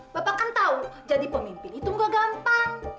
bapak kan tahu jadi pemimpin itu enggak gampang